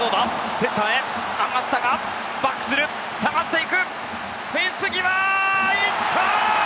センターへ上がったがバックする、下がっていくフェンス際、行った！